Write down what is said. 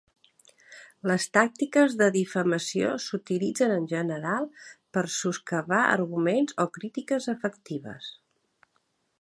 Les tàctiques de difamació s'utilitzen en general per soscavar arguments o crítiques efectives.